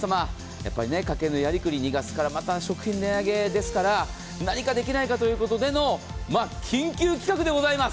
やっぱり家計のやりくり、２月からまた食品の値上げですから何かできないかということでの緊急企画でございます。